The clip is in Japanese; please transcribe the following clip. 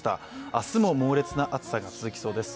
明日も猛烈な暑さが続きそうです。